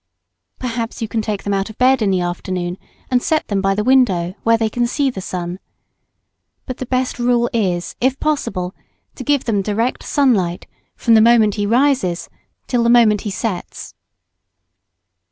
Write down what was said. Perhaps you can take them out of bed in the afternoon and set them by the window, where they can see the sun. But the best rule is, if possible, to give them direct sunlight from the moment he rises till the moment he sets.